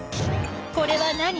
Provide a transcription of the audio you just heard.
これは何？